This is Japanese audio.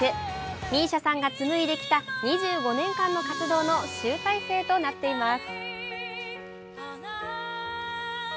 ＭＩＳＩＡさんが紡いできた２５年間の活動の集大成となっています。